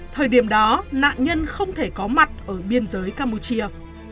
thời điểm đó nạn nhân không thể có mặt ở biên giới campuchia